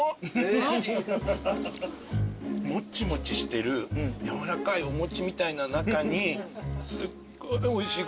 もっちもちしてるやわらかいお餅みたいな中にすっごいおいしい